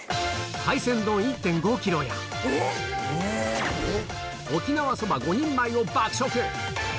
海鮮丼１．５キロや、沖縄そば５人前を爆食。